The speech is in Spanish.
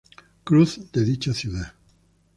Cruz de dicha ciudad.